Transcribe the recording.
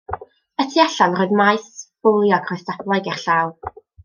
Y tu allan, roedd maes bowlio ac roedd stablau gerllaw.